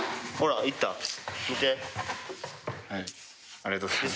ありがとうございます。